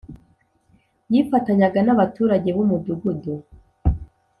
yifatanyaga n abaturage b Umudugudu